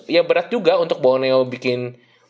ya berat juga untuk boneo bikin